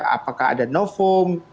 apakah ada nofung